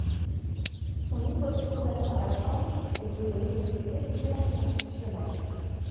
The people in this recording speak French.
Son livre fut condamné par la Chambre, et brûlé pour des idées jugées anticonstitutionnelles.